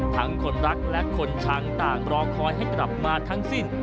คนรักและคนชังต่างรอคอยให้กลับมาทั้งสิ้น